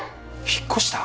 引っ越した？